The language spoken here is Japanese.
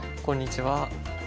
こんにちは。